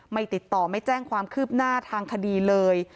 ไม่ติดต่อไม่แจ้งความคืบหน้าทางคดีเลย